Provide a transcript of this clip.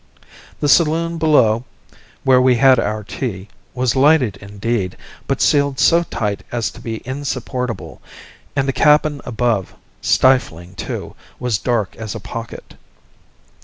The saloon below, where we had our tea, was lighted indeed, but sealed so tight as to be insupportable; and the cabin above, stifling too, was dark as a pocket.